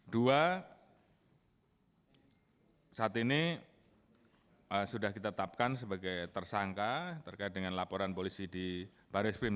dua saat ini sudah kita tetapkan sebagai tersangka terkait dengan laporan polisi di baris krim